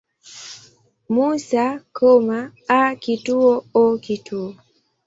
Musa, A. O.